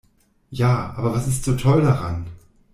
Ja, aber was ist so toll daran?